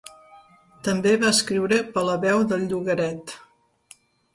També va escriure per a la veu del llogaret.